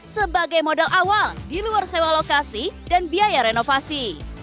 sebagai modal awal di luar sewa lokasi dan biaya renovasi